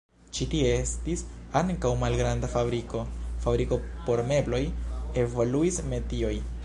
Ĉi tie estis ankaŭ malgranda fabriko, fabriko por mebloj, evoluis metioj.